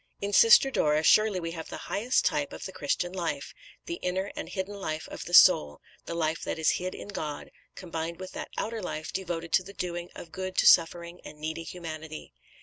In Sister Dora, surely we have the highest type of the Christian life, the inner and hidden life of the soul, the life that is hid in God, combined with that outer life devoted to the doing of good to suffering and needy humanity.